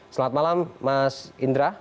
selamat malam mas indra